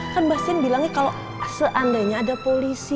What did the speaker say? kan bastian bilangnya kalau seandainya ada polisi